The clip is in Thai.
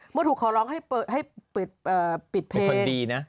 เมื่อถูกขอร้องให้เปิดให้ปิดเอ่อปิดเพลง